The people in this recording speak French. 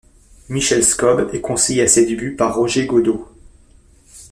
Michel Scob est conseillé à ses débuts par Roger Godeau.